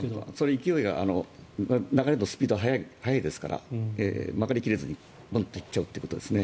勢いが流れるスピードが速いですから曲がり切れずに行っちゃうということですね。